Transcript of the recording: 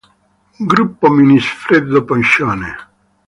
Gruppo Minisfreddo-Poncione.